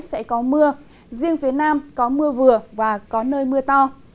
sẽ có mưa riêng phía nam có mưa vừa và có nơi mưa to